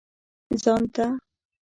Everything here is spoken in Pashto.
ځان ته.